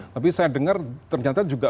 tapi saya dengar ternyata juga